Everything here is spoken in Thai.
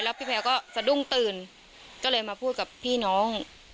พี่แพลวก็สะดุ้งตื่นก็เลยมาพูดกับพี่น้อง